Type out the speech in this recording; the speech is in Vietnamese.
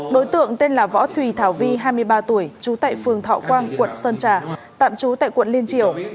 đối tượng tên là võ thùy thảo vi hai mươi ba tuổi trú tại phường thọ quang quận sơn trà tạm trú tại quận liên triều